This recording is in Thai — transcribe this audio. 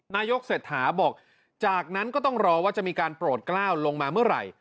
นายกเศรษฐาบอกจากนั้นก็ต้องรอว่าจะมีการโปรดกล้าวลงมาเมื่อไหร่